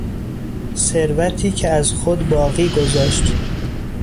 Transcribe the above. ثروتی که از خود باقی گذاشت